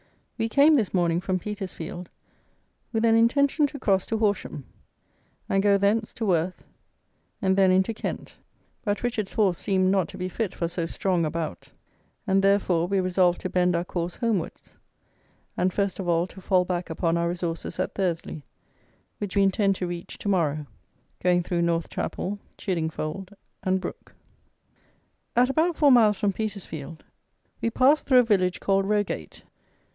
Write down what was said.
We came this morning from Petersfield, with an intention to cross to Horsham, and go thence to Worth, and then into Kent; but Richard's horse seemed not to be fit for so strong a bout, and therefore we resolved to bend our course homewards, and first of all to fall back upon our resources at Thursley, which we intend to reach to morrow, going through North Chapel, Chiddingfold, and Brook. At about four miles from Petersfield we passed through a village called Rogate.